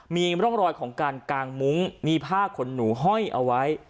มีร่องรอยของการกางมุ้งมีผ้าขนหนูห้อยเอาไว้